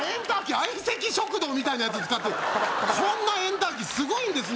「相席食堂」みたいなやつ使ってるそんなエンターキーすごいんですね